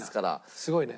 すごいね。